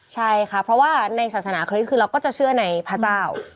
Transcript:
ใช่ค่ะเพราะว่าในศาสนาคริสต์คือเราก็จะเชื่อในพระเจ้า